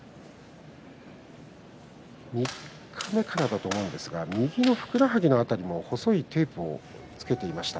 三日目からだと思うんですが右のふくらはぎの辺りにも細いテープをつけていました。